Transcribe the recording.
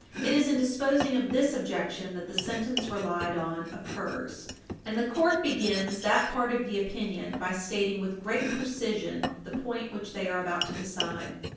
445 It is in disposing of this objection that the sentence relied on occurs, and the court begin that part of the opinion by stating with great precision the point which they are about to decide.